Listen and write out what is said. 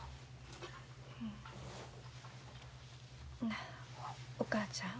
なあお母ちゃん。